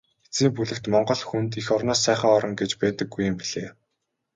Эцсийн бүлэгт Монгол хүнд эх орноос сайхан орон гэж байдаггүй юм билээ.